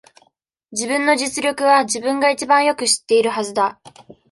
自分の実力は、自分が一番よく知っているはずだ。